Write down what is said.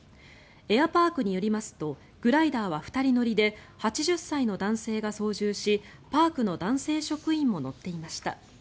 エアパークによりますとグライダーは２人乗りで８０歳の男性が操縦しパークの男性職員も乗っていました。